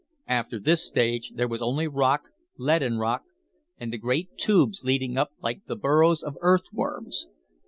After this stage there was only rock, lead and rock, and the great tubes leading up like the burrows of earthworms.